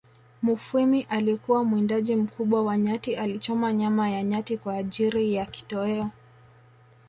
Mufwimi alikuwa mwindaji mkubwa wa nyati alichoma nyama ya nyati kwa ajiri ya kitoeo